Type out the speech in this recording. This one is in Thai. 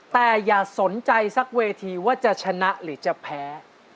แต่อย่าสนใจสักเวทีว่าจะชนะหรือจะแพ้